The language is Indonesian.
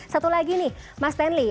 satu lagi nih mas stanley